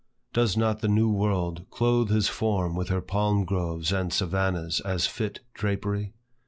Does not the New World clothe his form with her palm groves and savannahs as fit drapery?